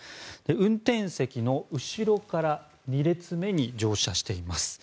運転席の後ろから２列目に乗車しています。